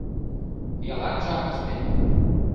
Пиалан жапыште!